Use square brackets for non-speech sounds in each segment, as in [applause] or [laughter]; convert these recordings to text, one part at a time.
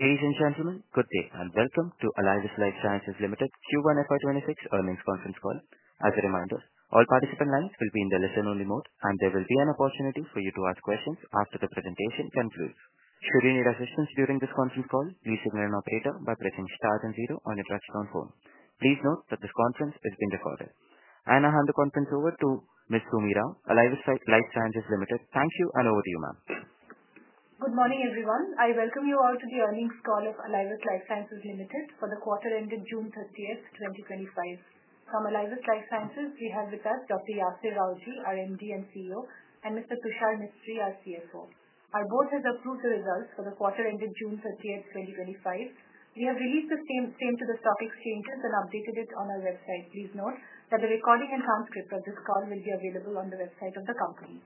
Ladies and gentlemen, good day and welcome to Alivus Life Sciences Ltd. Q1FY26 earnings conference call. As a reminder, all participant lines will be in the listen-only mode and there will be an opportunity for you to ask questions after the presentation concludes. Should you need assistance during this conference call, please signal an operator by pressing star and zero on your touch-tone phone. Please note that this conference is being recorded and I hand the conference over to Ms. Soumi Rao, Alivus Life Sciences Ltd. Thank you and over to you, ma'am. Good morning everyone. I welcome you all to the earnings call of Alivus Life Sciences Ltd. for the quarter ended June 30, 2025. From Alivus Life Sciences Ltd., we have with us Dr. Yasir Rawjee, our Managing Director and CEO, and Mr. Tushar Mistry, our Chief Scientific Officer. Our board has approved the results for the quarter ended June 30, 2025. We have released the same to the stock exchanges and updated it on our website. Please note that the recording and transcript of this call will be available on the website of the company.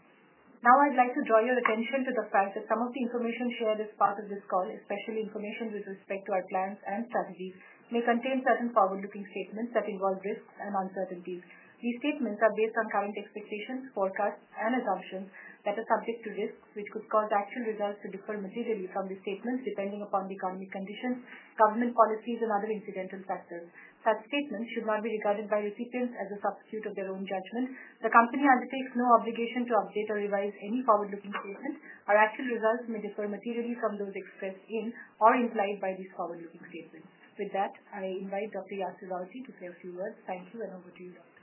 Now I'd like to draw your attention to the fact that some of the information shared as part of this call, especially information with respect to our plans and strategies, may contain certain forward-looking statements that involve risks and uncertainty. These statements are based on current expectations, forecasts, and assumptions that are subject to risks which could cause actual results to differ materially from the statements depending upon the company conditions, government policies, and other incidental factors. Such statements should not be regarded by recipients as a substitute of their own judgment. The company undertakes no obligation to update or revise any forward-looking statement. Our actual results may differ materially from those expressed in or implied by these forward-looking statements. With that, I invite Dr. Yasir Rawjee to say a few words. Thank you. Over to you, Doctor.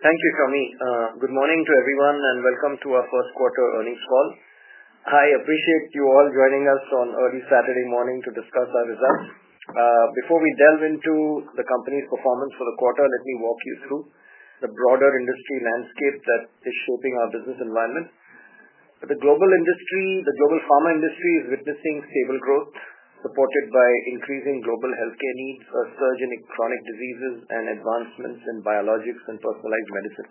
Thank you, Soumi. Good morning to everyone and welcome to our first quarter earnings call. I appreciate you all joining us on early Saturday morning to discuss our results. Before we delve into the company's performance for the quarter, let me walk you through the broader industry landscape that is shaping our business environment. The global pharma industry is witnessing stable growth supported by increasing global healthcare needs, a surge in chronic diseases, and advancements in biologics and personalized medicine.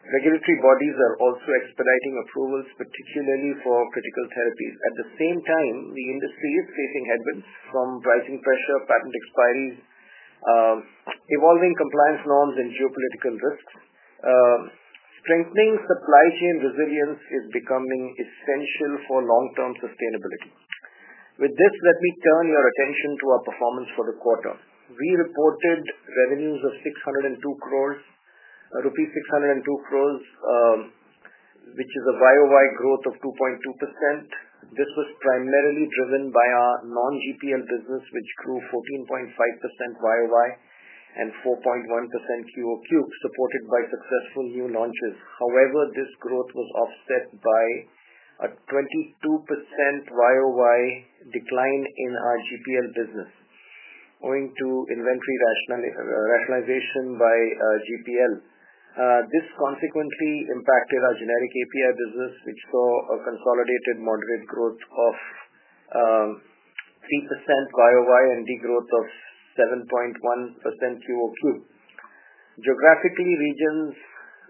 Regulatory bodies are also expediting approvals, particularly for critical therapies. At the same time, the industry is facing headwinds from pricing pressure, patent expiries, evolving compliance norms, and geopolitical risks. Strengthening supply chain resilience is becoming essential for long-term sustainability. With this, let me turn your attention to our performance for the quarter. We reported revenues of 602 crore rupees, which is a YoY growth of 2.2%. This was primarily driven by our non-GPL business, which grew 14.5% YoY and 4.1% QoQ, supported by successful new launches. However, this growth was offset by a 22% YoY decline in our GPL business owing to inventory rationalization by GPL. This consequently impacted our generic API business, which saw a consolidated moderate growth of 3% YoY and growth of 7.1% QoQ. Geographically, regions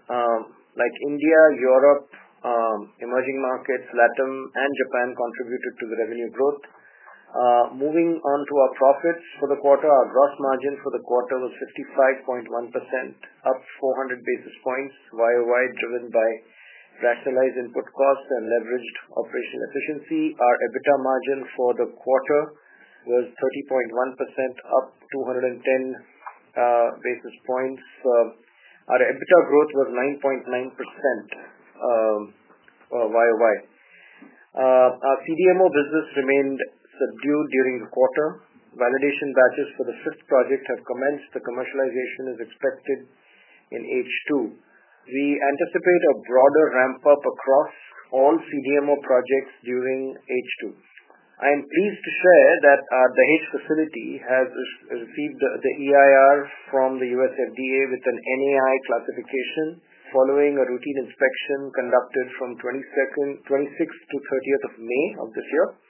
like India, Europe, emerging markets, LATAM, and Japan contributed to the revenue growth. Moving on to our profits for the quarter, our gross margin for the quarter was 55.1%, up 400 basis points YoY, driven by rationalized input costs and leveraged operational efficiency. Our EBITDA margin for the quarter was 30.1%, up 210 basis points. Our EBITDA growth was 9.9% YoY. Our CDMO business remained subdued during the quarter. Validation batches for the fifth project have commenced. The commercialization is expected in H2. We anticipate a broader ramp up across all CDMO projects during H2. I am pleased to share that the Jhagadia facility has received the EIR from the US FDA with an NAI classification following a routine inspection conducted from May 26 to May 30 of this year.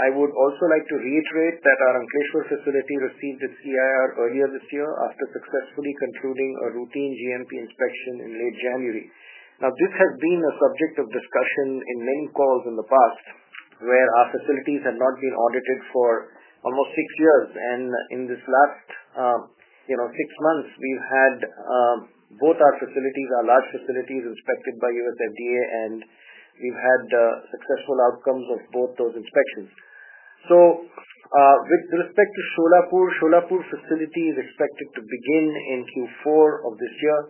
I would also like to reiterate that our Ankleshwar facility received its EIR earlier this year after successfully concluding a routine GMP inspection in late January. Now this has been a subject of discussion in many calls in the past where our facilities have not been audited for almost six years, and in this last six months we've had both our facilities, our large facilities inspected by US FDA, and we've had successful outcomes of both those inspections. With respect to Solapur, Solapur facility is expected to begin in Q4 of this year.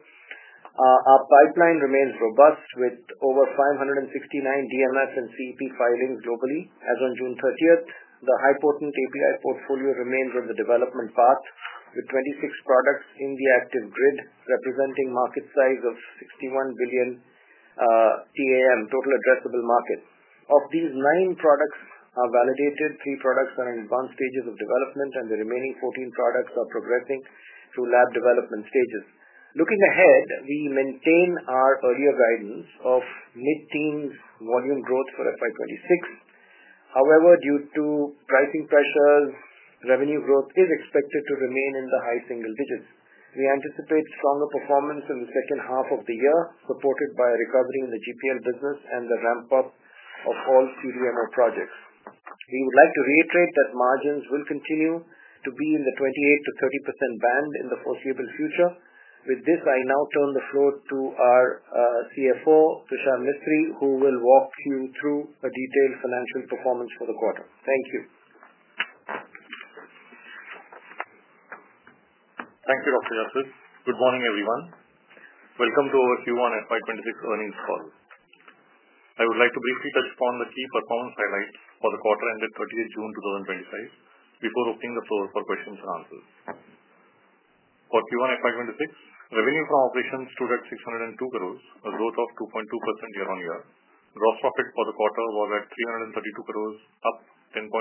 Our pipeline remains robust with over 569 DMF and CEP filings. Locally, as on June 30, the high-potency API portfolio remains in the development path with 26 products in the active grid representing market size of $61 billion TAM total addressable market. Of these, nine products are validated, three products are in advanced stages of development, and the remaining 14 products are progressing through lab development stages. Looking ahead, we maintain our earlier guidance of mid-teens volume growth for FY 2026. However, due to pricing pressures, revenue growth is expected to remain in the high single digits. We anticipate stronger performance in the second half of the year supported by a recovery in the GPL business and the ramp up of all CDMO projects. We would like to reiterate that margins will continue to be in the 28% to 30% band in the foreseeable future. With this, I now turn the floor to our CFO Tushar Mistry, who will walk you through a detailed financial performance for the quarter. Thank you, thank you Dr. Yasir. Good morning everyone. Welcome to our Q1 FY 2026 earnings for us. I would like to briefly touch upon the key performance highlight for the quarter ended June 30, 2025, before opening the floor for questions and answers. For Q1 FY 2026, revenue from operations stood at 602 crore, a growth of 2.2% year on year. Gross profit for the quarter was at 332 crore, up 10.2%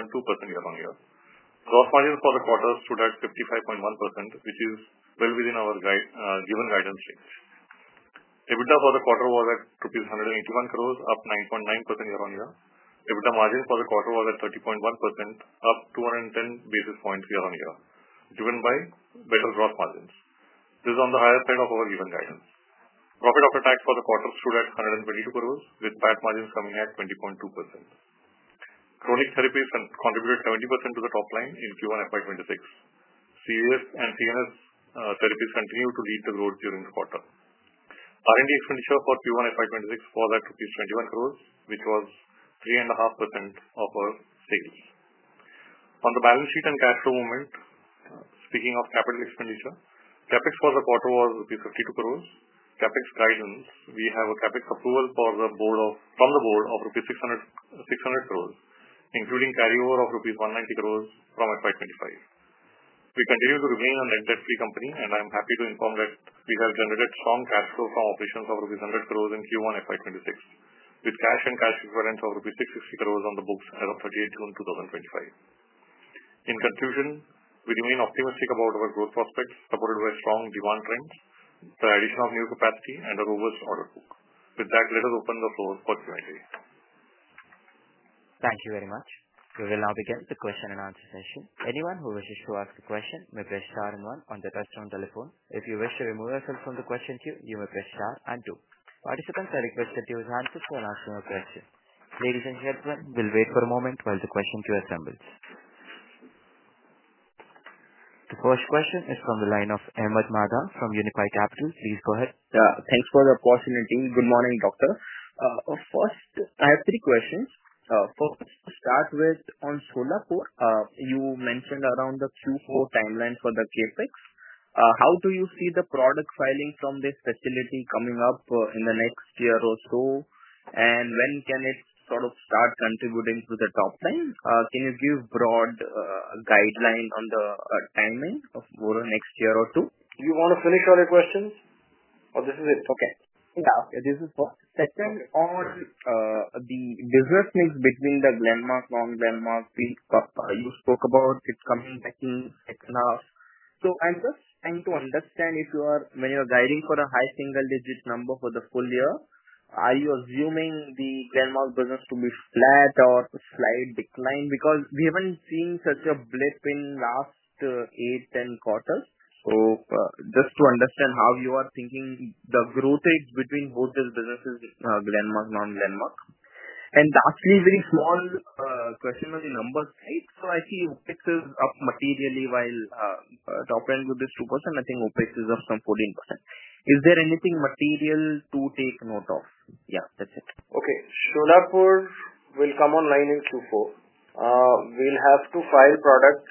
year on year. Gross margin for the quarter stood at 55.1%, which is well within our given guidance. EBITDA for the quarter was at 181 crore, up 9.9% year on year. EBITDA margin for the quarter was at 30.1%, up 210 basis points year on year, driven by weight loss margins. This is on the higher side of our given guidance. Profit after tax for the quarter stood at 122 crore, with PAT margins coming at 20.2%. Chronic therapies contributed 70% to the topline in Q1 FY 2026. CVS and CNS therapies continued to reach the growth during the quarter. R&D expenditure for Q1 FY 2026 was at INR 21 crore, which was 3.5% of our sales on the balance sheet and cash flow movement. Speaking of capital expenditure, CapEx for the quarter was INR 52 crore. CapEx guidance, we have a CapEx approval from the board of 600 crore rupees, including carryover of rupees 190 crore from FY 2025. We continue to remain a net debt-free company and I'm happy to inform that we have generated strong cash flow from operations of rupees 100 crore in Q1 FY 2026 with cash and cash dividends of rupees 660 crore on the books as of 30 June 2025. In conclusion, we remain optimistic about our growth prospects supported by strong demand trends, the addition of new capacity, and a robust order book. With that, let us open the floor for questions. Thank you very much. We will now begin the question and answer session. Anyone who wishes to ask a question may press star and one on the touchtone telephone. If you wish to remove yourself from the question queue, you may press star and two. Participants are requested to raise your hand to call us for a question. Ladies and gentlemen, we'll wait for a moment while the question queue assembles. The first question is from the line of Ahmed Madha from Unifi Capital. Please go ahead. Thanks for the opportunity. Good morning, Doctor. First, I have three questions. First, on Solapur, you mentioned around the Q4 timeline for the TSX. How do you see the product filing from this facility coming up in the next year or so and when can it start contributing to the topline? Can you give broad guideline on the timing over next year or two? You want to finish all your questions? Oh, this is it. Okay. Yeah. Okay. Second, on the business mix between the landmark, you spoke about it's coming back in second half. I'm just trying to understand if you are guiding for a high single digit number for the full year. Are you assuming the landmark business to be flat or slight decline? Because we haven't seen such a blip in last 8-10 quarters. Just to understand how you are thinking the growth rates between both these businesses, landmark, non-landmark, and lastly, very small proximity numbers. Right. I see OpEx is up materially while topline growth is 2%. I think OpEx is up some 14%. Is there anything material to take note of? Yeah, that's it. Okay. Solapur will come online in Q4. We'll have to file products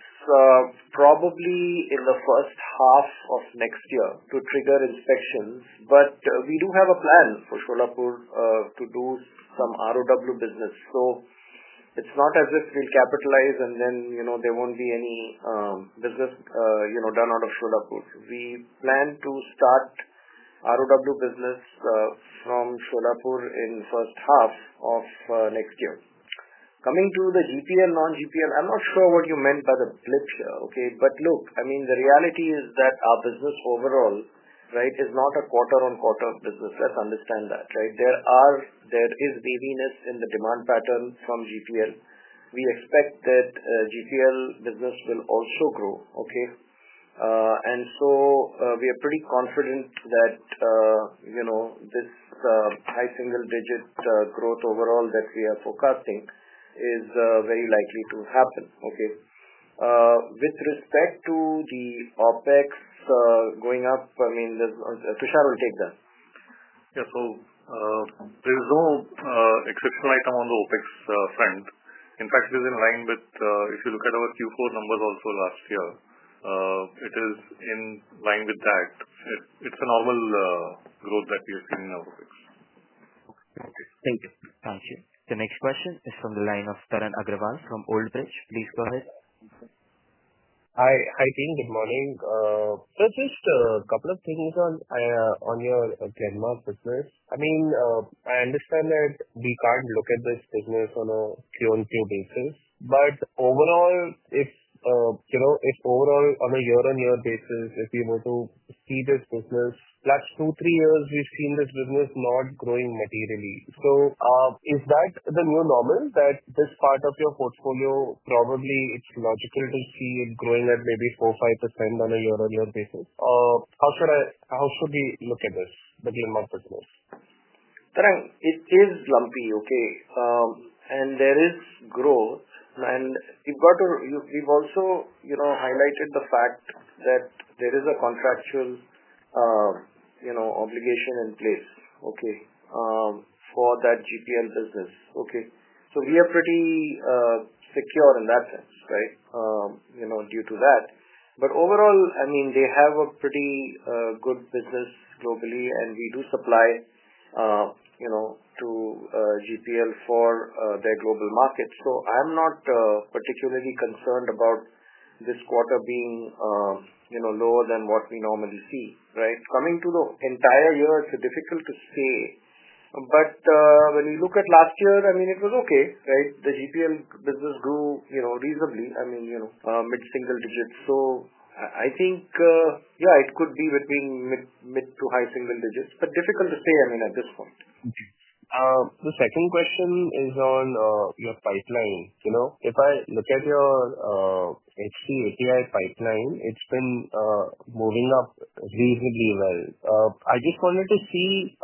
probably in the first half of next year to trigger inspections. We do have a plan for Solapur to do some ROW business. It's not as if we capitalize and then there won't be any business done out of Solapur. We plan to start ROW business from in first half of next year. Coming to the GPL and non-GPL, I'm not sure what you meant by the blitz. The reality is that our business overall is not a quarter on quarter business. Let's understand that. There is weaviness in the demand pattern from GPL. We expect that GPL business will also grow. We are pretty confident that this high single digits growth overall that we are forecasting is very likely to happen. With respect to the OpEx going up, Tushar will take that. There is no exceptional item on the OpEx front. In fact, it is in line with, if you look at our Q4 numbers also last year, it is in line with that. It's the normal growth that we have seen in our OpEx. Thank you. Thank you. The next question is from the line of Tarang Agrawal from Old Bridge. Please go ahead. Hi team, good morning. Just a couple of things on your Denmark business. I understand that we can't look at this business on a Q on Q basis, but overall, if overall on a year on year basis, if you were to see this business plus two, three years, we've seen this business not growing materially. Is that the new normal that this part of your portfolio? Probably it's logical to see it growing at maybe 4% to 5% on a year on year basis. How should we look at this? The green market moves. It is lumpy. There is growth. We've also highlighted the fact that there is a contractual obligation in place for that GPL business. We are pretty secure in that sense due to that. Overall, they have a pretty good business globally and we do supply to GPL for their global markets. I'm not particularly concerned about this quarter being lower than what we normally see. Coming to the entire year, it's difficult to say. When you look at last year, it was okay. The GPL business grew reasonably, mid single digits. I think it could be between mid to high single digits, but difficult to say at this point. The second question is on your pipeline. If I look at your HP API pipeline, it's been moving up reasonably well. I just wanted to see,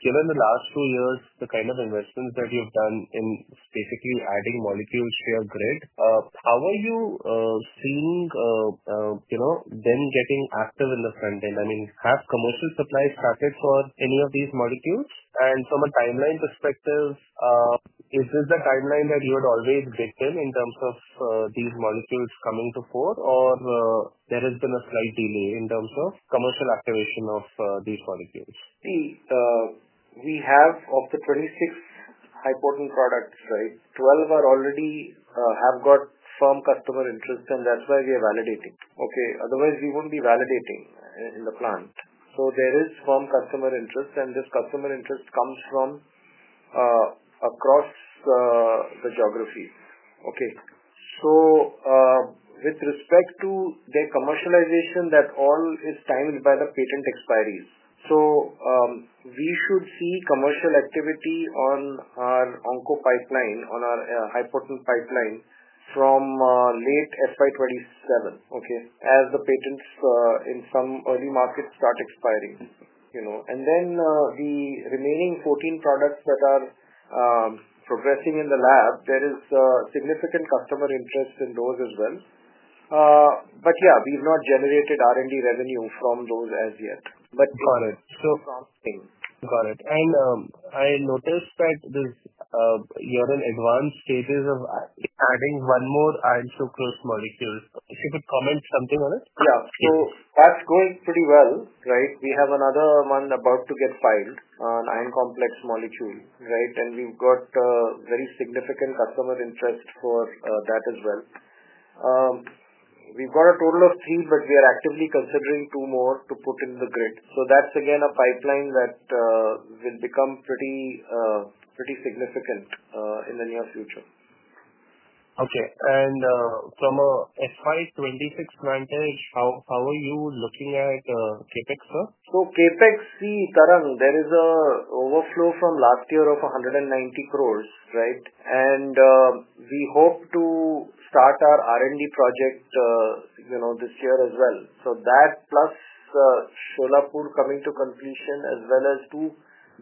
given the last two years, the kind of investments that you've done in basically adding molecules to your grid, how are you seeing them getting active in the. I mean, have commercial supplies started for any of these molecules? From a timeline perspective, is this the timeline that you would always bake in in terms of these molecules coming to fore or has there been a slight delay in terms of commercial activation of these molecules? We have, of the 26 high potent products, 12 already have got firm customer insight. That's why we are validating. Otherwise, we wouldn't be validating in the plan. There is firm customer interest and this customer interest comes from across the geographies. With respect to their commercialization, that all is signed by the patent expiry. We should see commercial activity on our Encore pipeline, on our high potent pipeline from late FY 2027 as the patents in some early markets start expiring. The remaining 14 products that are progressing in the lab, there is significant customer interest in those as well. We've not generated R&D revenue from those as yet, but got it. Got it. I noticed that you're in advanced stages of adding one more iron focus molecule. If you could comment something on it. Yeah. That's going pretty well. We have another one about to get filed, an iron complex molecule, and we've got very significant customer interest for that as well. We've got a total of three, but we are actively considering two more to put in the grid. That's again a pipeline that will become pretty significant in the near future. From a FY 2026 vantage, how are you looking at CapEx, sir? CapEx, see Tarang, there is an overflow from last year of 190 crore. We hope to start our R&D project this year as well. That plus Kolhapur coming to completion as well as two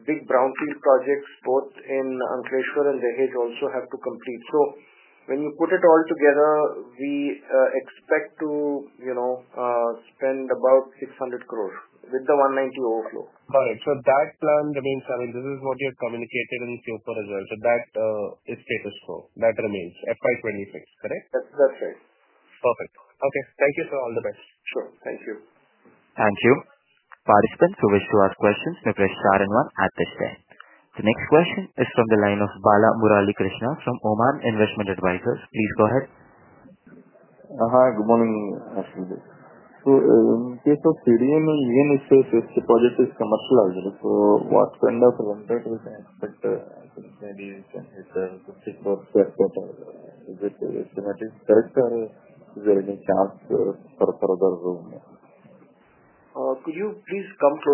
big brownfield projects, both in Ankleshwar and Jhagadia, also have to complete. When you put it all together, we expect to spend about 600 crore with the 192 crore overflow. Got it. That plan, that means, I mean this is what you communicated in CO as well so that it stays flow that remains FY 2020 phase. Correct. That's that phase. Perfect. Thank you for all the best. Sure. Thank you. Thank you. Participants who wish to ask questions, refresh star and one at the end. The next question is from the line of Bala Murali Krishna from Oman Investment Advisors. Please go ahead. Hi, good morning. [audio distortion] Could you please come closer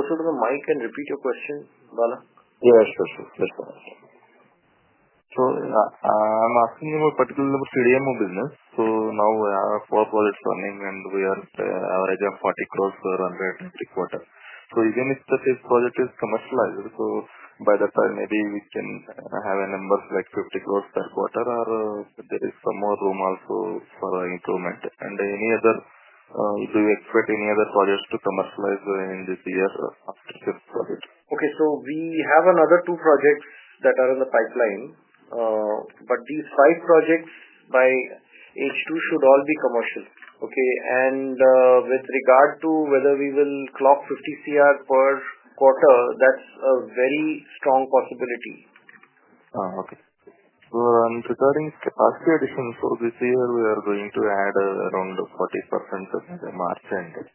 to the mic and repeat your question? I'm asking you a particular CDMO business. Now our purpose is running and we are average of 40 crore per 100. Even if the sales project is commercialized, by the time maybe we can have a number like 50 crore per quarter or there is some more room also for improvement. Do you expect any other projects to commercialize in this year? We have another two projects that are in the pipeline. These five projects by H2 should all be commercial. With regard to whether we will clock 50 crore per quarter, that's a very strong possibility. I'm preparing for this year we are going to add around 40% margin and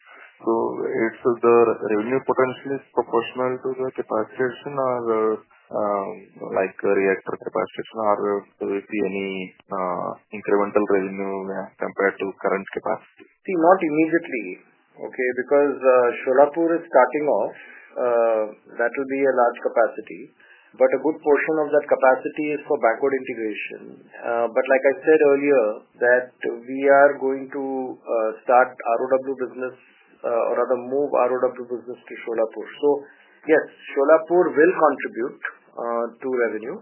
so if the revenue potential is proportional to the capacitance or like reactor capacitance or do we see any incremental revenue compared to current capacity? Not immediately. Solapur is starting off, that will be a large capacity. A good portion of that capacity is for backward integration. Like I said earlier, we are going to start ROW business or rather move ROW business to Solapur. Solapur will contribute to revenue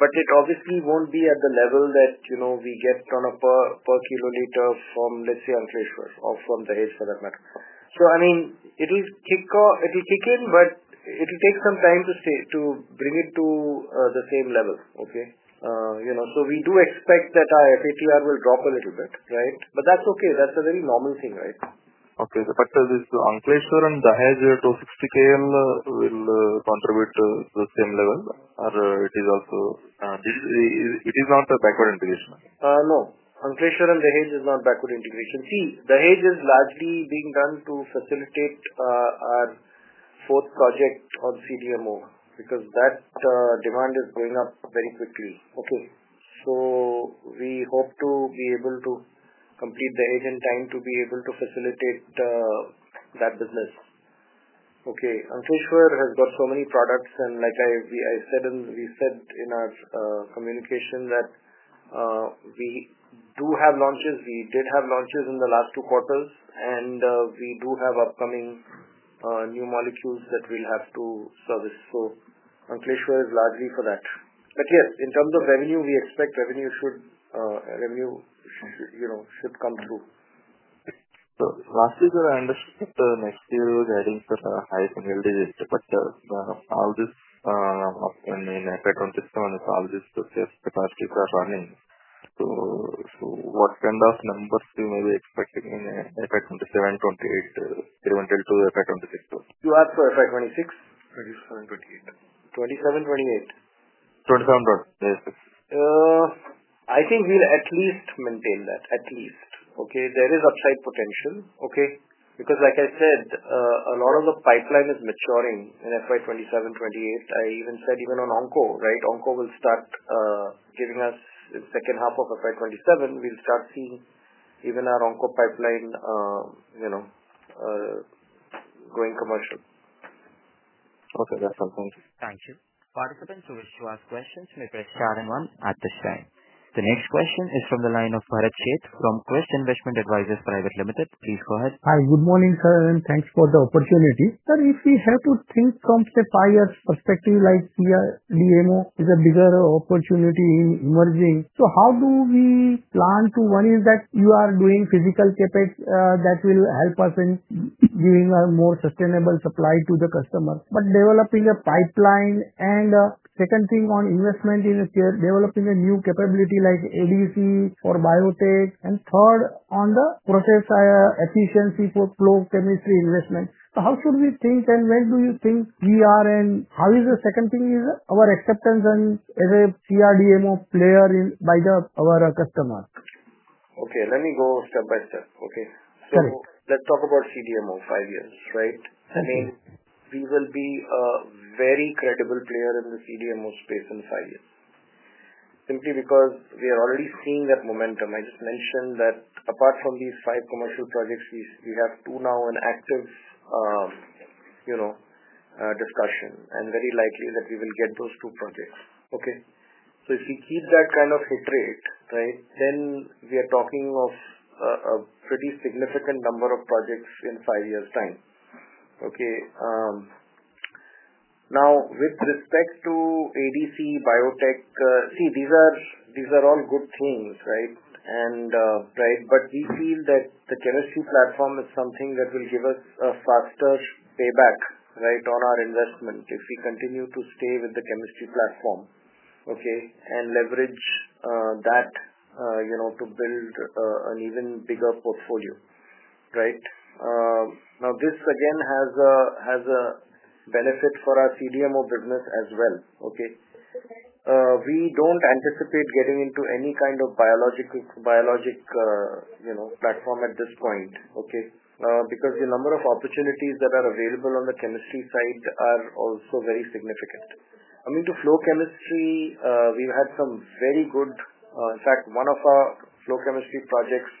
but it obviously won't be at the level that we get per kiloliter from let's say Ankleshwar or from the Jhagadia for that. It will kick off, it will kick in but it will take some time to bring it to the same level. We do expect that our FATR will drop a little bit. That's a very normal thing. The Jhagadia 260 KL will contribute to the same level or it is also, it is not a backward integration. I know Ankleshwar and Jhagadia is not backward integration. The Jhagadia is largely being done to facilitate our fourth project on CDMO because that demand is going up very quickly. We hope to be able to complete the Jhagadia in time to be able to facilitate that business. Ankleshwar has got so many products and like I said and we said in our communication that we do have launches, we did have launches in the last two quarters and we do have upcoming new molecules that we'll have to service. Ankleshwar is largely for that. In terms of revenue, we expect revenues should come through. Understood. Next year was adding all this. What kind of numbers do you maybe expecting? In fact, 28. You asked for FY 2026, FY 2027, FY 2028, FY 2027. I think we'll at least maintain that at least. There is upside potential because, like I said, a lot of the pipeline is maturing in FY 2027, FY 2028. I even said even on Encore. Right. Encore will start giving us the second half of FY 2027. We'll start seeing even our Encore pipeline going commercial. Thank you. Participants who wish to ask questions may press card and one at this time. The next question is from the line of Bharat Sheth from Quest Investment Advisors Private Limited. Please go ahead. Hi, good morning sir, and thanks for the opportunity. Sir, if we have to think from stepwise perspective, like CDMO is a bigger opportunity in emerging. How do we plan to—one is that you are doing physical CapEx that will help us in giving a more sustainable supply to the customer, but developing a pipeline. Second thing, on investment in developing a new capability like ADC for biotech. Third, on the process efficiency portfolio, chemistry investment. How should we think and when do you think we are and how is—the second thing is our acceptance as a CDMO player by our customers. Let me go step by step. Let's talk about CDMO five years, right. I think we will be a very credible player in the CDMO space in five years simply because we are already seeing that momentum. I just mentioned that apart from these five commercial projects, we have two now in active discussion and very likely that we will get those two projects. If we keep that kind of foot rate, we are talking of a pretty significant number of projects in five years' time. Now, with respect to ADC biotech, these are all good things, right, but we feel that the terrace 2 platform is something that will give a faster payback on our investment if we continue to stay with the chemistry platform and leverage that to build an even bigger portfolio. This again has a benefit for our CDMO business as well. We don't anticipate getting into any kind of biological, biologic platform at this point because the number of opportunities that are available on the chemistry side are also very significant. I mean, to flow chemistry. We've had some very good. In fact, one of our flow chemistry projects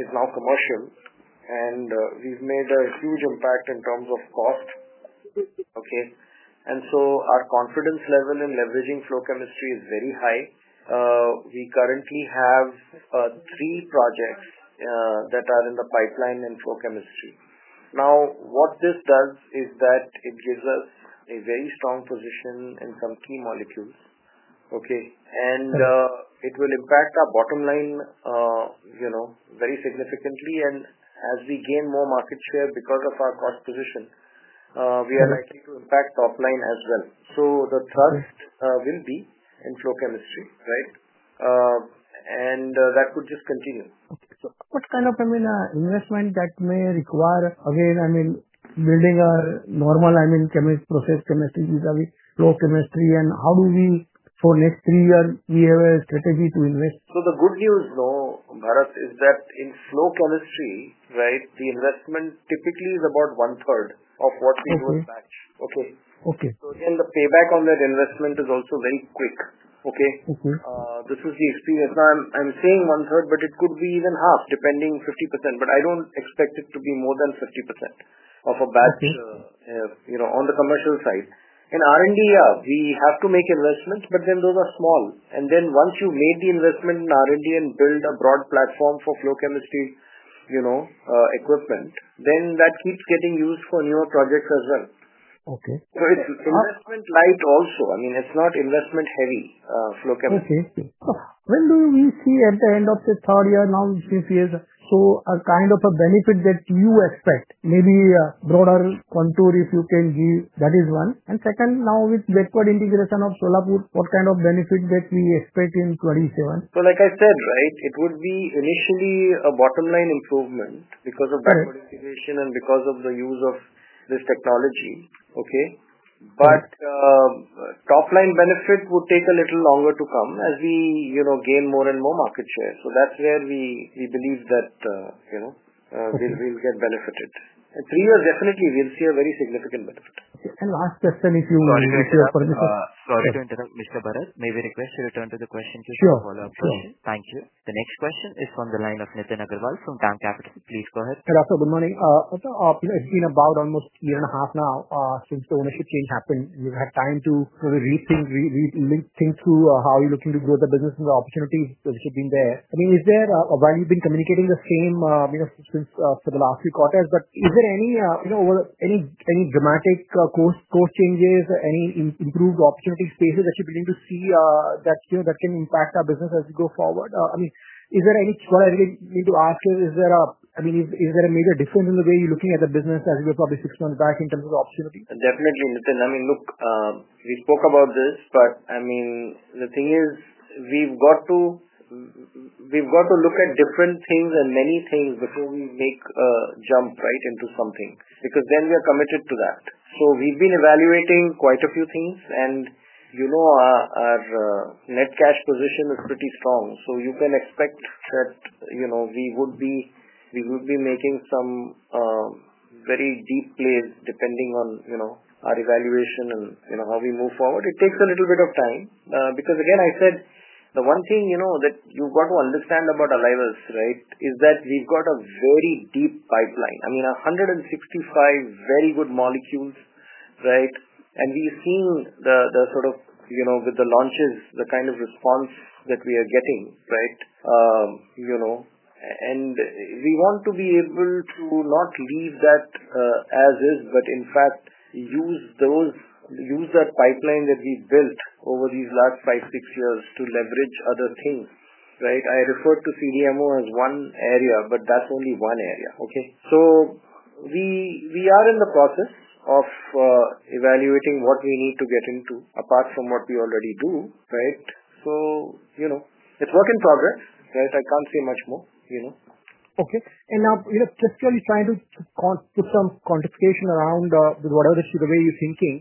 is now commercial and we've made a huge impact in terms of cost. Our confidence level in leveraging flow chemistry is very high. We currently have three projects that are in the pipeline in flow chemistry. What this does is that it gives us a very strong position in some key molecules. It will impact our bottom line very significantly. As we gain more market share because of our cost position, we are likely to impact topline as well. The thrust will be in flow chemistry, and that could just continue. What kind of investment may that require again? Building a normal chemistry process chemistry vis-à-vis flow chemistry, and how do we for next three years. We have a strategy to invest. The good news, though, Bharat, is that in flow policy, the investment typically is about one third of what we were batch. The payback on that investment is also very quick. This is the experience. I'm saying one third, but it could be even half, depending, 50%. I don't expect it to be more than 50% of a batch. On the commercial side in R&D we have to make investments, but then those are small. Once you've made the investment in R&D and built a broad platform for flow chemistry equipment, then that keeps getting used for newer projects as well. It's investment light also. It's not investment heavy flow capacity. When do we see at the end of the third year? This is a kind of a benefit that you expect, maybe a broader contour if you can give, that is one. Second, now with network integration of Solapur, what kind of benefit do we expect in 2027? Like I said, it would be initially a bottom line improvement because of backward information and because of the use of this technology. Topline benefit would take a little longer to come as we gain more and more market share. That's where we believe that we'll get benefited. Three years, definitely we'll see a very significant benefit. Last question, if you want, Mr. Bharat, may we request to return to the question? Thank you. The next question is from the line of Nitin Agarwal from DAM Capital Advisors Ltd. Please go ahead. Doctor, good morning. It's been about almost a year and a half now since the ownership change happened. You had time to sort of read things through, how you're looking to grow the business and the opportunities which have been there. I mean, is there, while you've been communicating the same since, for the last few quarters, is there any dramatic course changes, any improved opportunity spaces that you're beginning to see that can impact our business as you go forward? What I really need to ask, is there a major difference in the way you're looking at the business as we were probably six months back in terms of the opportunity? Definitely. Nitin, look, we spoke about this, but the thing is we've got to look at different things and many things before we make a jump right into something because then we are committed to that. We've been evaluating quite a few things and our net cash position is pretty strong. You can expect that we would be making some very deep plays depending on our evaluation and how we move forward. It takes a little bit of time because, again, the one thing that you've got to understand about Alivus Life Sciences Ltd. is that we've got a very deep pipeline. I mean, 165 very good molecules, right, and we've seen with the launches the kind of response that we are getting. We want to be able to not leave that as is, but in fact use that pipeline that we've built over these last five, six years to leverage other things. I refer to CDMO as one area, but that's only one area. We are in the process of evaluating what we need to get into apart from what we already do. It's work in progress. I can't say much more. Now, just really trying to keep some contestation around with whatever the way you're thinking,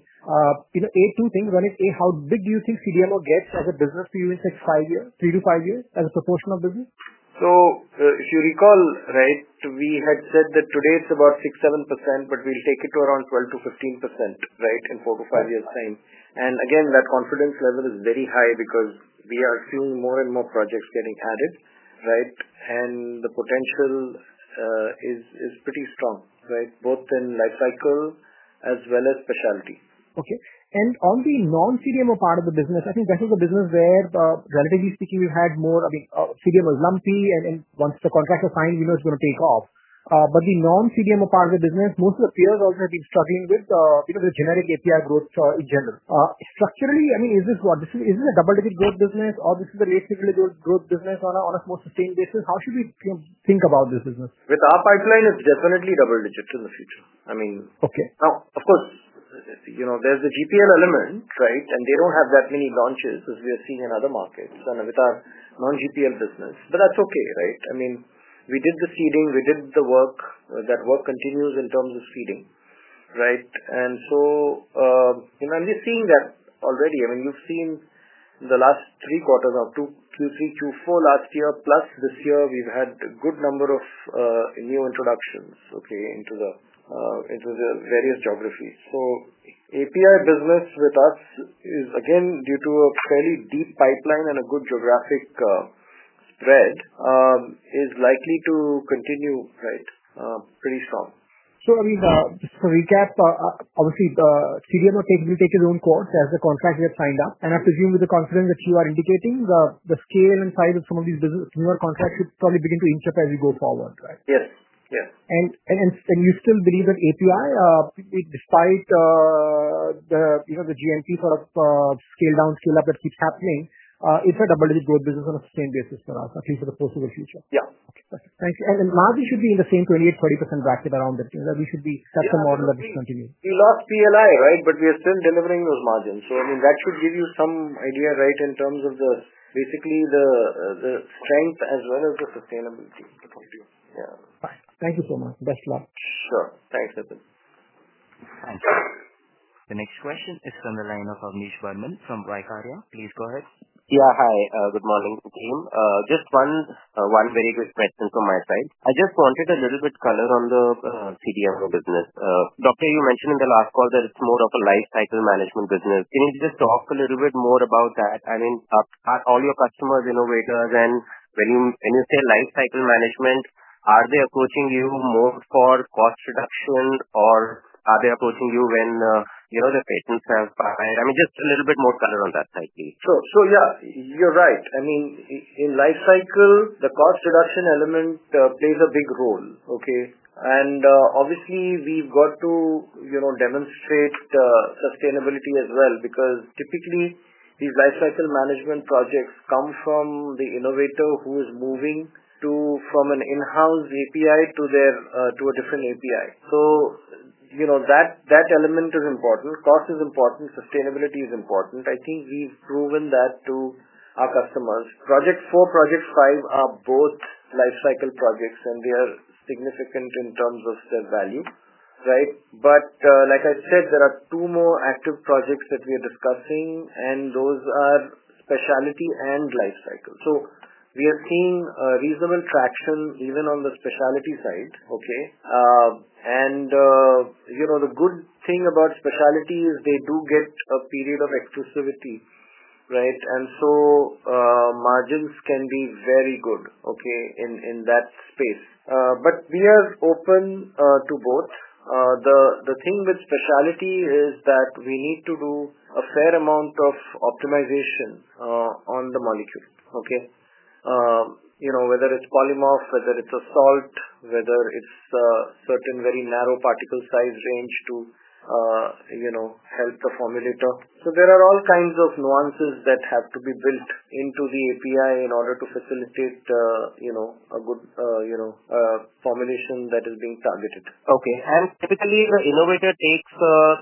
two things. One is, how big do you think CDMO gets as a business view in three to five years as a proportion of business? If you recall, we had said that today it's about 6% to 7%, but we'll take it to around 12% to 15% in four to five years' time, and that confidence level is very high because we are seeing more and more projects getting added. The potential is pretty strong, both in life cycle as well as specialty. On the non-CDMO part of the business, I think that was the business where, relatively speaking, we've had more. CDMO was lumpy, and once the contracts are signed, you know it's going to take off. The non-CDMO part of the business, most of the peers also have been struggling with the generic API growth in general, structurally. Is this a double-digit growth business, or is this the growth business on a more sustained basis? How should we think about this business with our pipeline? It's definitely double digits in the future. Now, of course, there's a GPL element, right, and they don't have that many launches as we have seen in other markets with our non-GPL business. That's okay. We did the seeding, we did the work. That work continues in terms of seeding, and we're seeing that already. You've seen the last three quarters of Q2, Q3, Q4 last year, plus this year we've had a good number of new introductions into the various geographies. The API business with us is, again, due to a fairly deep pipeline and a good geographic spread, likely to continue pretty strong. Just for recap, obviously CDMO typically takes its own course as the contracts get signed up. I have to assume, with the confidence that you are indicating, the scale and size of some of these newer contracts will probably begin to inch up as you go forward, right? Yes. You still believe that API, despite the GPL scale down, scale up that keeps happening, is a double-digit growth business on a sustained basis for us, at least for the possible future. Thank you. The margin should be in the. Same 28, 30% bracket around that. We should be such a model that is continuing. We lost PLI, right, but we are still delivering those margins. I mean that should give you some idea, right, in terms of the, basically the strength as well as the sustainability. The point of. Yeah, thank you so much. Best luck. Sure, thanks. The next question is from the line of Avnish Burman from Vaikarya. Please go ahead. Yeah. Hi, good morning team. Just one, one very respectful from my side. I just wanted a little bit color on the CDMO business. Doctor, you mentioned in the last call that it's more of a life cycle management business. Can you just talk a little bit more about that? I mean, are all your customers innovators? When you say life cycle management, are they approaching you more for cost reduction or are they approaching you when, you know, the patients have, I mean, just a little bit more color on that cycle? Yeah, you're right. I mean in life cycle the cost reduction element plays a big role. Okay, and obviously we've got to, you know, demonstrate sustainability as well because typically these life cycle management projects come from the innovator who is moving from an in-house API to a different API. You know that element is important, cost is important, sustainability is important. I think we've proven that to our customers. Project four, Project five are both life cycle projects and they are significant in terms of their value, right. Like I said, there are two more active projects that we are discussing and those are specialty and life cycle. We are seeing a reasonable traction even on the specialty side. The good thing about specialty is they do get a period of exclusivity, right, and so margins can be very good in that space. We are open to both. The thing with specialty is that we need to do a fair amount of optimization on the molecule, whether it's polymorph, whether it's a salt, whether it's the certain very narrow particle size range to help the formulator. There are all kinds of nuances that have to be built into the API in order to facilitate a good formulation that is being targeted. Typically the innovator takes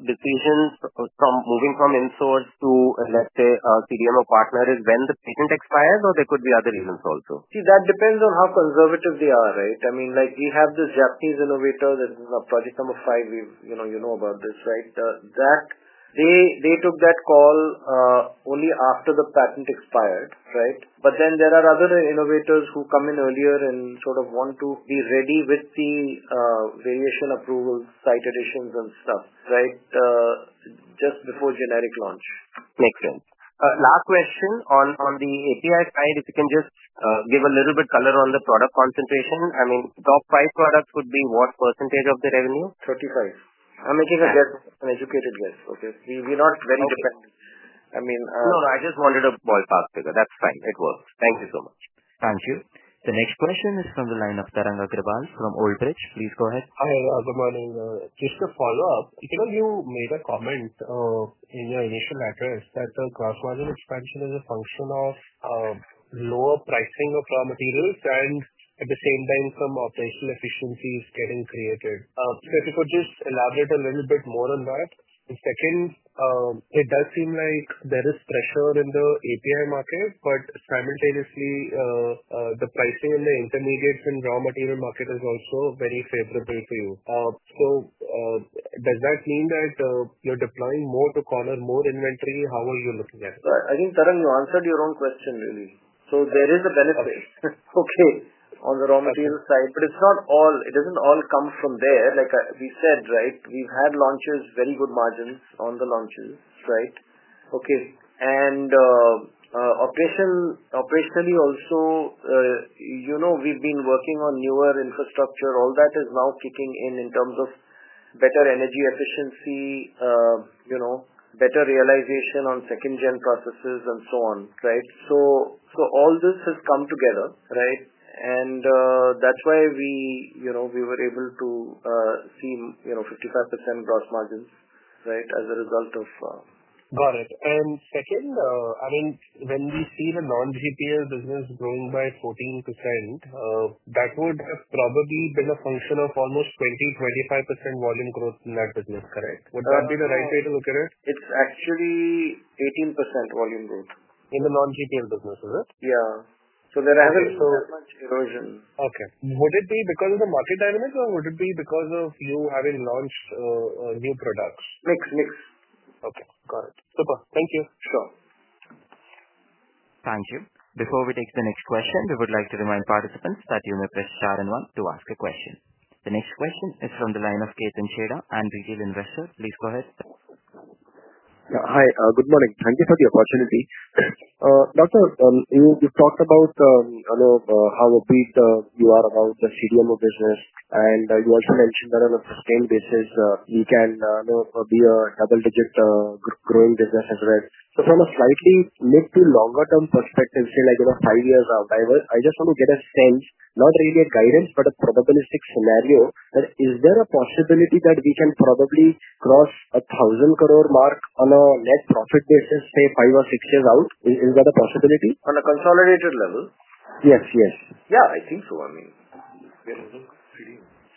decisions from moving from insource to, let's say, a CDMO partner when the patent expires. There could be other reasons also. That depends on how conservative they are, right. I mean, like you have this Japanese innovator that is project number five. You know about this, right? That they took that call only after the patent expired, right? There are other innovators who come in earlier and sort of want to be ready with the variation approvals, site additions and stuff just before generic launch. Makes sense. Last question on the API side, if you can just give a little bit color on the product concentration. I mean, top five products would be what percentage of the revenue? 35%. I'm making an uneducated guess. Okay. We're not very—I mean. No, no, I just wanted a ballpark figure. That's fine. It works. Thank you so much. Thank you. The next question is from the line of Tarang Agrawal from Old Bridge. Please go ahead. Good morning. Just a follow up. You made a comment in your initial address that the gross margin expansion is a function of lower pricing of raw materials and at the same time some operational efficiencies getting created. If you could just elaborate a little bit more on that. Second, it does seem like there is pressure in the API market, but simultaneously, the pricing in the intermediates and raw material market is also very favorable for you. Does that mean that you're deploying more to corner more inventory? How are you looking at it? I think, Tarang, you answered your own question, really. There is a benefit on the raw material side, but it doesn't all come from there, like we said, right? We've had launches, very good margins on the launches. Operationally also, we've been working on newer infrastructure. All that is now kicking in in terms of better energy efficiency, better realization on second gen processes and so on. All this has come together, and that's why we were able to see 55% gross margins as a result of. Got it. When we see the non-GPL business growing by 14%, that would have probably been a function of almost 20-25% volume growth in that business, correct? Would that be the right way to look at it? It's actually 18% volume growth in the non-GPL business. Is it? Yeah. There hasn't been much erosion. Would it be because of the market dynamics or would it be because of you having launched new products? [crosstalk] Okay, got it. Super. Thank you. Thank you. Before we take the next question, we would like to remind participants that you may press star and one to ask a question. The next question is from the line of Ketan Chheda, an individual investor. Please go ahead. Hi, good morning. Thank you for the opportunity. Doctor, you talked about how bullish you are on the CDMO business and you also mentioned that on a scale basis you can be a double-digit growing business as well. From a slightly mid to longer-term perspective, say like, you know, five years out, I just want to get a sense, not really a guidance, but a probabilistic scenario. Is there a possibility that we can probably cross the 1,000 crore mark on a net profit basis, say five or six years out? Is that a possibility on a consolidated level? Yes. Yes. Yeah, I think so. I mean,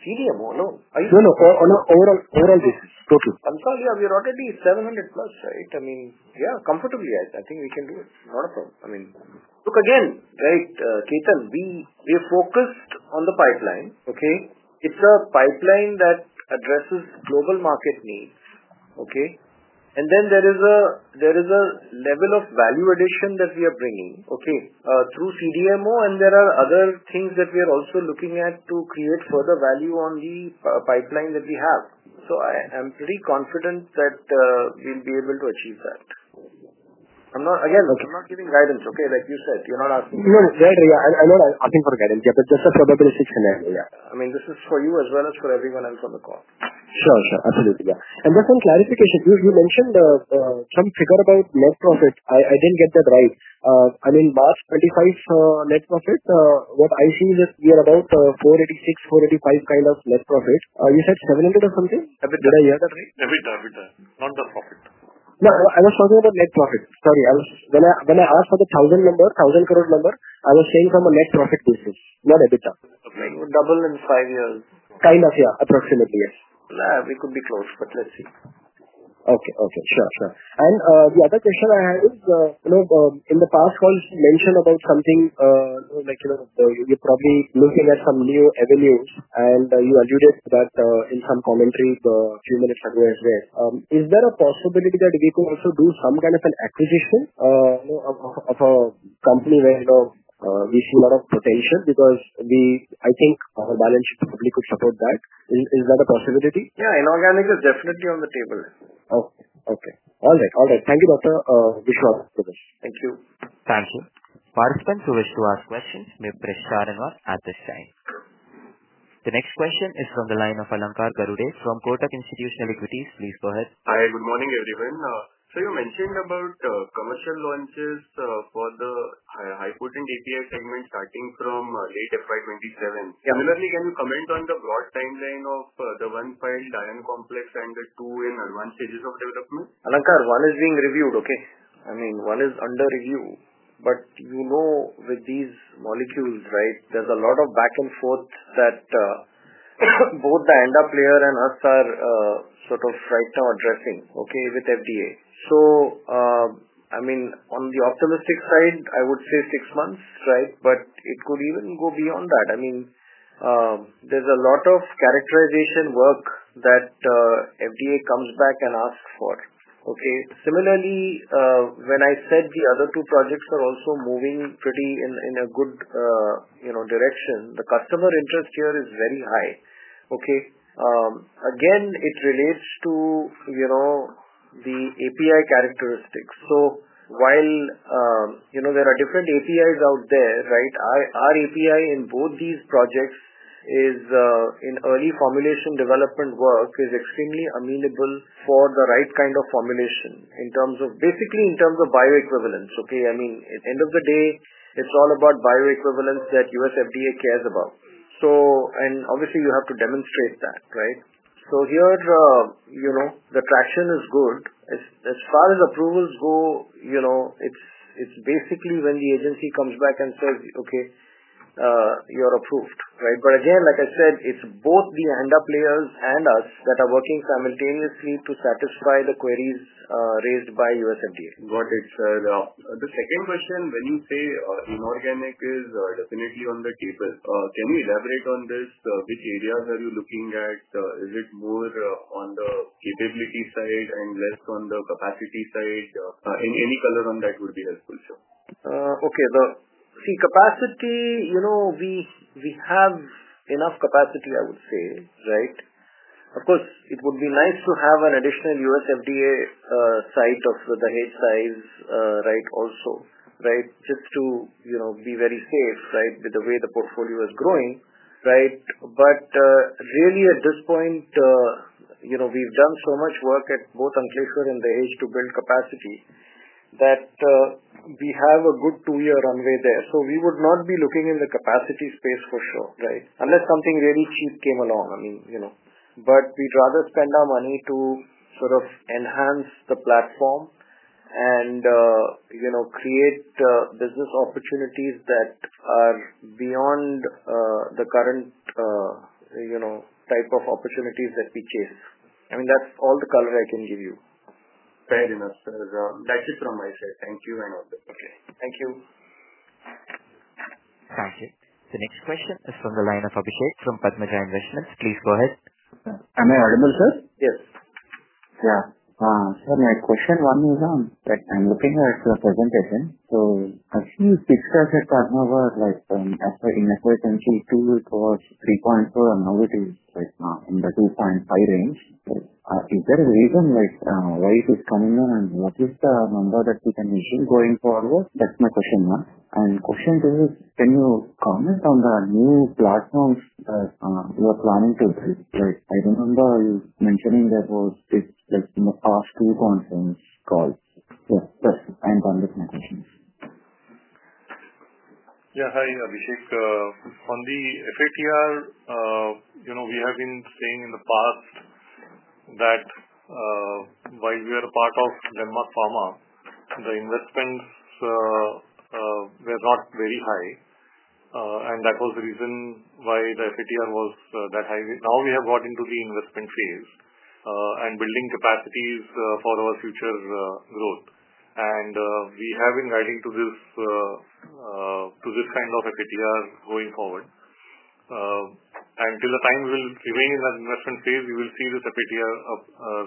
overall, overall basis, totally. Yeah. We are already 700 plus, right? I mean, yeah, comfortably. Guys, I think we can do it. Not a problem. I mean, look again, right? Ketan, we focused on the pipeline. It's a pipeline that addresses global market needs. There is a level of value addition that we are bringing through CDMO. There are other things that we are also looking at to create further value on the pipeline that we have. I am pretty confident that we'll be able to achieve that. I'm not giving guidance. Like you said, you're not asking for guidance. I mean, this is for you as well as for everyone and for the call. Sure, absolutely. Just on clarification, you mentioned some figure by net profit. I didn't get that. Right. I mean, FY 2025 net profit. What I see is we are about 486, 485 kind of net profit. You said 70% something. Did I hear that? Not the profit. No, I was talking about net profit. Sorry. When I asked for the thousand number, 1,000 crore number, I was saying from a net profit basis, double in five years, kind of. Yeah, approximately. Yes, we could be close, but let's see. Okay. Okay. The other question I have is, you know, in the past you mentioned about something you're probably looking at, some new avenues, and you alluded to that in some commentary a few minutes ago as well. Is there a possibility that we could also do some kind of an acquisition of a company where we see a lot of potential? Is that a possibility? Yeah. Inorganics is definitely on the table. Oh, okay. All right. All right. Thank you, Doctor. Thank you. Thank you. Participants who wish to ask questions may press. Starting off at this time. The next question is from the line of Alankar Garude from Kotak Institutional Equities. Please go ahead. Hi, good morning everyone. You mentioned about commercial launches for the high potent API segment starting from late FY 2027. Similarly, can you comment on the broad timeline of the one filed DMF complex and the two in advanced stages of development? Alankar, one is being reviewed. One is under review, but with these molecules, there's a lot of back and forth that both the end player and us are sort of right now addressing with the U.S. FDA. On the optimistic side, I would say six months, but it could even go beyond that. There's a lot of characterization work that the FDA comes back and asks for. Similarly, when I said the other two projects are also moving in a good direction, the customer interest here is very high. Again, it relates to the API characteristics. While there are different APIs out there, our API in both these projects is in early formulation development work and is extremely amenable for the right kind of formulation in terms of bioequivalence. At the end of the day, it's all about bioequivalence that the U.S. FDA cares about. Obviously, you have to demonstrate that. Here, the traction is good as far as approvals go. It's basically when the agency comes back and says, okay, you're approved. Again, like I said, it's both the end players and us that are working simultaneously to satisfy the queries raised by the U.S. FDA. Got it, sir. The second question, when you say inorganic is definitely on the table, can you elaborate on this? Which areas are you looking at? Is it more on the capability side and less on the capacity side? Any color on that would be helpful, sir. The capacity, we have enough capacity, I would say. Of course, it would be nice to have an additional U.S. FDA site of the H size also, just to be very safe with the way the portfolio is growing. At this point, we've done so much work at both Ankleshwar and Jhagadia to build capacity that we have a good two-year runway there. We would not be looking in the capacity space for sure. Unless something really cheap came along. I mean, we'd rather spend our money to sort of enhance the platform and create business opportunities that are beyond the current type of opportunities that we chase. That's all the color I can give you. Fair enough. That's it from my side. Thank you. Thank you. The next question is from the line of Abhishek from Padmaja Investments. Please go ahead. Am I audible first? Yes. Yeah. So, nice, question one, move on that. I'm looking for presentation. I see as per investor, I can see 2 to watch, 3.4, and now it is right now in the 2.5 range. Is there a reason why it is coming on and what is the number that we can be going forward? That's my question mark and question. Can you comment on the news? Blackstone? I remember you mentioning that. Was this just in the past two conference calls and confessions? Yeah. Hi Abhishek, on the FATR. We have been seeing in the past that while you are a part of Denmark pharma, the investments were not very high and that was the reason why the FATR was that high. Now we have got into the investment phase and building capacities for our future growth and we have been guiding to this kind of FATR going forward until the time we will remain in that investment phase. You will see this FATR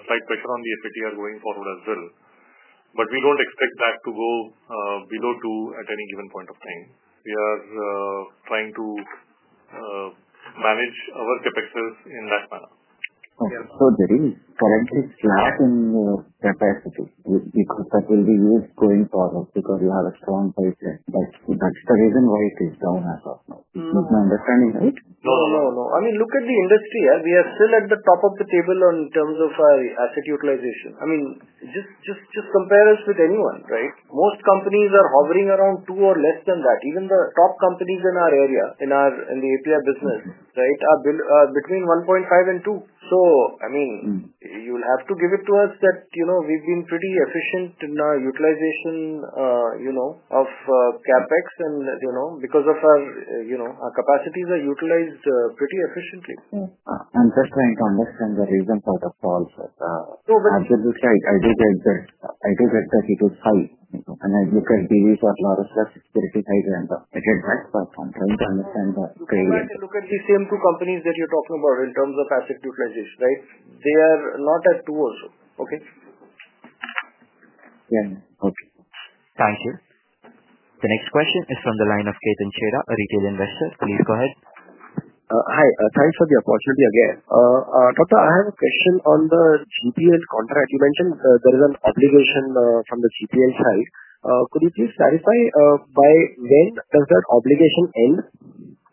slight quicker on the APTR going forward as well. We don't expect that to go below 2 at any given point of time. We are trying to manage our CapExes in that manner. There is, for instance, slap in capacity because that will be used going forward because you have a strong price. That's the reason why it is down as of now. Look at the industry. We are still at the top of the table in terms of our asset utilization. Just compare us with anyone, right? Most companies are hovering around 2 or less than that. Even the top companies in our area, in the API business, are between 1.5 and 2. You'll have to give it to us that we've been pretty efficient in our utilization of CapEx and because our capacities are utilized pretty efficiently. I'm just trying to understand the reason for the problem. I do get the look at DV for advanced platform. Trying to understand that. Look at the CDMO companies that you're talking about in terms of assetages, they are not at 2 or so. Okay. Thank you. The next question is from the line of Ketan Chheda, a retail investor. Please go ahead. Hi, sorry for the opportunity again. Doctor, I have a question on the GPL contract. You mentioned there is an obligation from the GPL. Could you specify by when does that obligation end?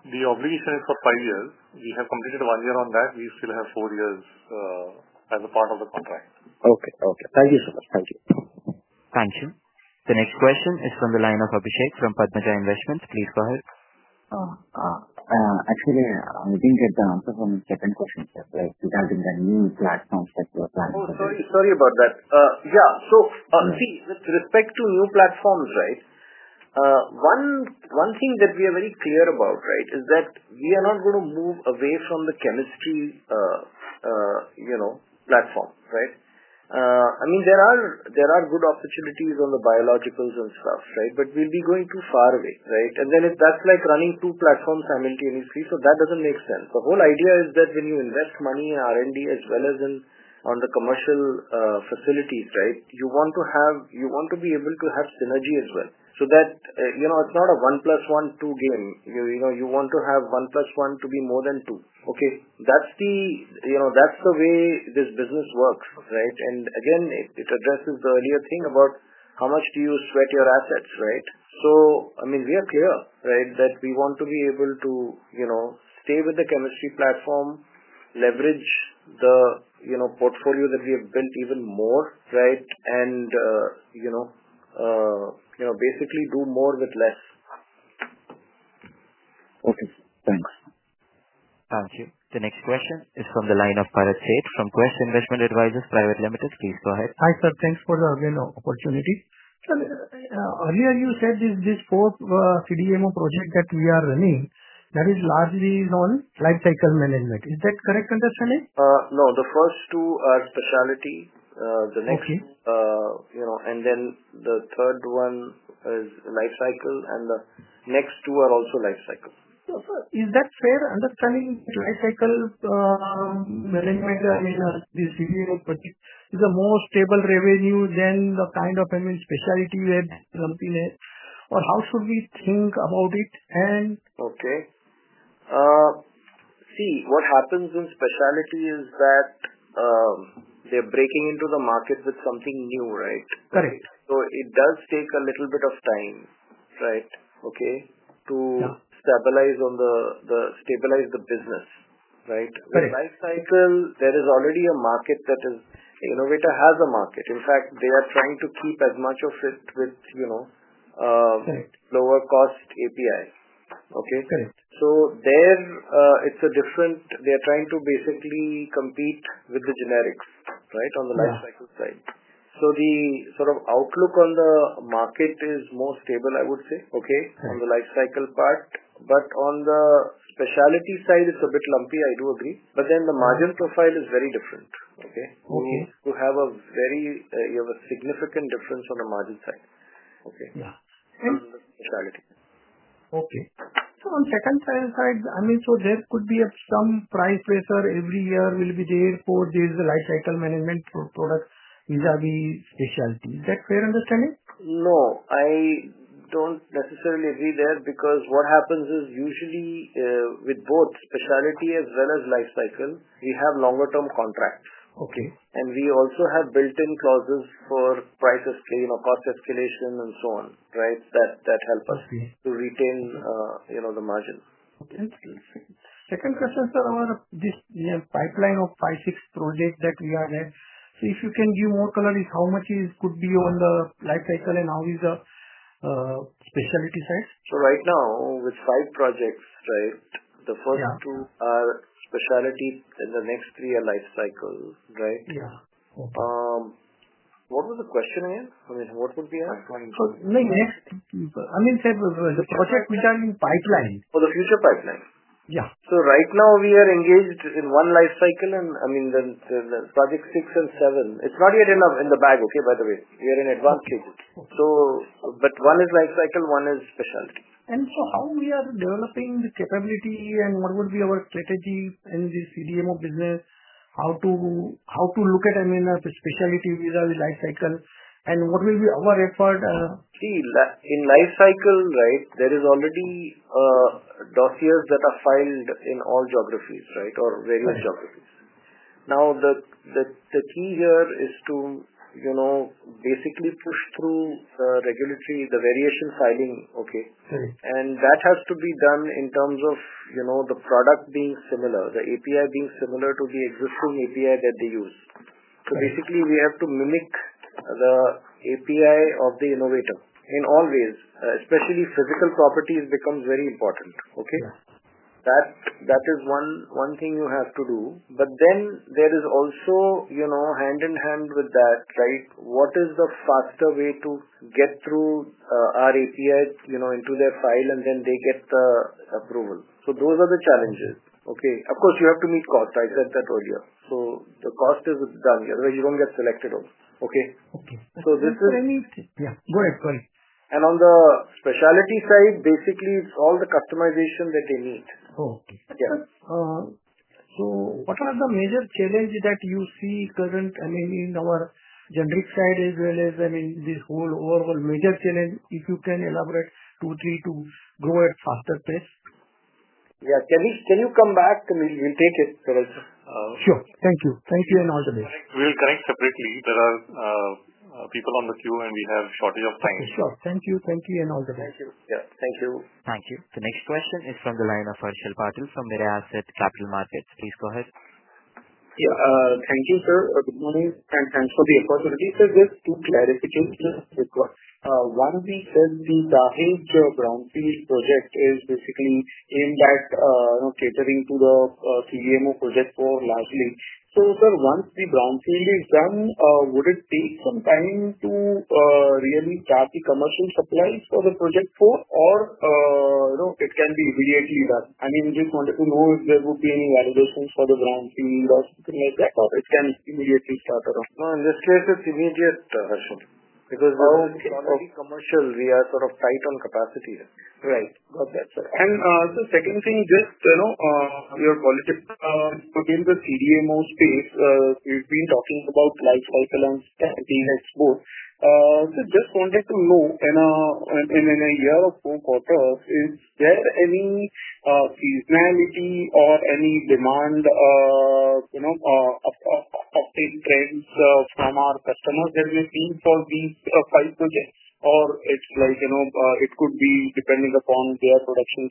The obligation is for five years. We have completed one year on that. We still have four years as a part of the contract. Okay. Okay. Thank you so much. Thank you. Thank you. The next question is from the line of Abhishek from Padmaja Investments. Please go ahead. Actually, we didn't get the answer from the second question regarding the new platforms that you are planning for. Sorry about that. Yeah. With respect to new platforms, one thing that we are very clear about is that we are not going to move away from the chemistry platform. I mean, there are good opportunities on the biologicals and stuff, but we'd be going too far away, and then that's like running two platforms simultaneously. That doesn't make sense. The whole idea is that genuine, that's money, R&D as well as in on the commercial facilities. You want to be able to have synergy as well so that it's not a one plus one two game. You want to have one plus one to be more than two. That's the way this business works, and again it addresses the earlier thing about how much do you sweat your assets. We are clear that we want to be able to stay with the chemistry platform, leverage the portfolio that we have built even more, and basically do more with less. Okay, thanks. Thank you. The next question is from the line of Bharat Sheth from Quest Investment Advisors Private Limited. Please go ahead. Hi sir. Thanks for the again opportunities. Earlier you said this, this 4 CDMO project that we are running, that is largely on life cycle management, is that correct understanding? No, the first two are specialty, the next year, and then the third one is life cycle and the next two are also life cycles. Is that fair understanding? Life cycle management is the most stable revenue than the kind of specialty where lumpiness or how should we think about it? See, what happens in specialty is that they're breaking into the market with something new, right? Correct. It does take a little bit of time, right? Okay. To stabilize the business. Right? Correct. Life cycle, there is already a market that the innovator has. In fact, they are trying to keep as much of it with, you know, lower cost API. Correct. There, it's different. They're trying to basically compete with the generics. Right. On the life cycle side, the sort of outlook on the market is more stable, I would say. On the life cycle part, but on the specialty side, it's a bit lumpy. I do agree. The margin profile is very different. You have a significant difference on the margin side. On the second side, there could be some price pressure every year for this life cycle management for product vis a vis specialty. Is that a fair understanding? No, I don't necessarily agree there because what happens is usually with both specialty as well as life cycle, we have longer term contracts. We also have built-in clauses for price escalation or cost escalation and so on that help us to retain the margin. Second question, sir. Our pipeline of 5, 6 projects that we are there, if you can give more color, how much could be on the life cycle and how is the specialty size? Right now with five projects, the first two are facilities and the next three are life cycles. What was the question? What would we ask, the projects which are in pipeline for the future? Pipeline. Right now we are engaged in one life cycle. The project six and seven, it's not yet enough in the bag. By the way, we are in advanced queues. One is life cycle, one is specialty. How are we developing the capability and what would be our strategy in the CDMO business? How to look at M&A especially vis a vis the life cycle? What will be our effort in life cycle? There are already dossiers that are filed in all geographies or various geographies. The key here is to basically push through regulatory, the variation filing. That has to be done in terms of the product being similar, the API being similar to the existing API that they use. We have to mimic the API of the innovator in all ways, especially physical properties. That is one thing you have to do. There is also, you know, hand in hand with that, like what is the faster way to get through our API, you know, into their file and then they get the approval. Those are the challenges. Of course you have to meet cost. I said that earlier. The cost is done. Otherwise you're not going to get selected also. This is. Yeah, go ahead. On the specialty side, basically it's all the customization that they need. What are the major challenges that you see current. I mean in our generic side as well as. I mean this whole overall major challenge. If you can elaborate. 2, 3. To grow at faster pace. Yeah. Can you come back? We'll take it. Sure. Thank you. Thank you. All the best. We'll connect separately. There are people on the queue and we have shortage of time. Sure. Thank you. Thank you. Thank you. Yeah. Thank you. Thank you. The next question is from the line of Hirshal Patil from Mirae Asset Capital Markets. Please go ahead. Thank you. Sir. Good morning and thanks for the opportunity. Sir. Yes, one of the hills project is basically aimed at catering to the TVMO project for Nigerian. Sir, once the brownfield is done, would it take some time to really start the commercial supplies for the project or it can be VAT and immediately wanted to know if there would be any valuable food for the brownfield or something like that or it can immediately start off. In this case it's immediate helpful because while commercial we are sort of tight on capacity. Right, got that. The second thing, just you know your colleagues within the CDMO space we've been talking about life Outlaw. Just wanted to know in a, in, in a year or four quarters, is there any seasonality or any demand? You know, talking friends from our customers, there is a need for these price project or it's like, you know, it could be depending upon their production.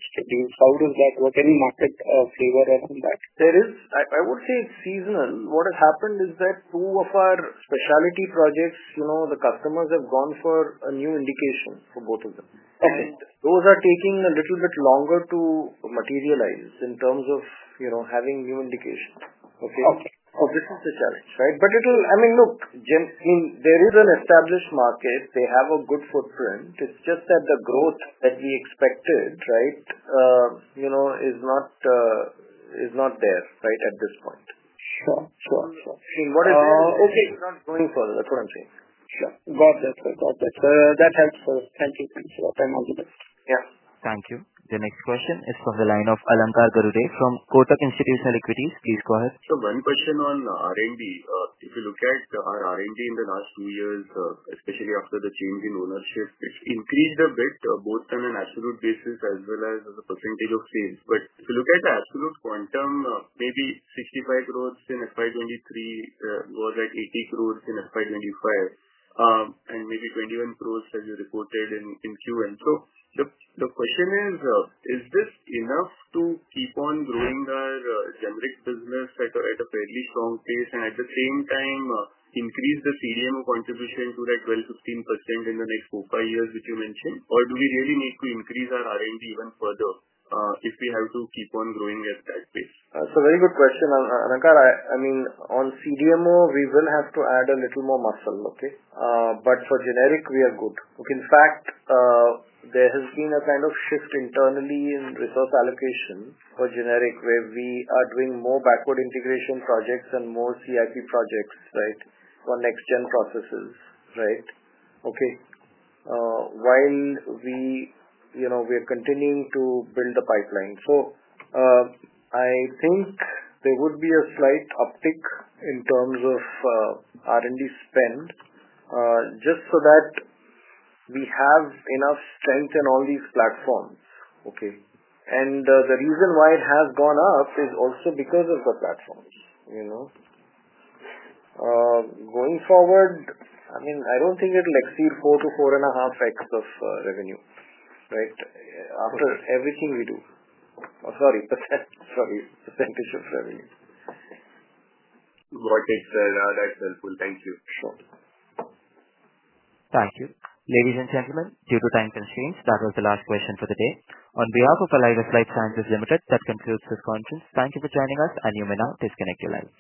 How does that, what any market flavor happen? There is I would say seasonal. What has happened is that two of our specialty projects, you know, the customers have gone for a new indication for both of them. Those are taking a little bit longer to materialize in terms of, you know, having new indication. This is the challenge. It will. I mean, look, there is an established market. They have a good footprint. It's just that the growth that we expected is not there at this point. That's what I'm saying. Got that. That helps. Thank you. Yeah, thank you. The next question is from the line of Alankar Garude from Kotak Institutional Equities. Please go ahead. One question on R&D. If you look at our R&D in the last few years, especially after the change in ownership, it's increased a bit both on an absolute basis as well as a percentage of sales. If you look at the absolute quantum, maybe 65 crore in FY 2023, it was like 80 crore in FY 2025 and maybe 21 crore that you reported in Q1. The question is, is this enough to keep on growing our generics business at a fairly strong pace and at the same time increase the CDMO contribution to that 12-15% in the next four or five years, which you mentioned, or do we really need to increase our R&D even further if we have to keep on growing at that pace? That's a very good question, Alankar. On CDMO we will have to add a little more muscle. For generic, we are good. In fact, there has been a kind of shift internally in resource allocation for generic where we are doing more backward integration projects and more CEP projects on next gen processes. While we are continuing to build the pipeline, I think there would be a slight uptick in terms of R&D spend just so that we have enough strength in all these platforms. The reason why it has gone up is also because of the platform going forward. I don't think it'll exceed 4 to 4.5% of revenue after everything we do. Sorry. Thank you for sharing it. That's helpful. Thank you. Thank you. Ladies and gentlemen, due to time constraints, that was the last question for the day. On behalf of Alivus Life Sciences Ltd., that concludes this conference. Thank you for joining us and you may now disconnect your line. Thank you.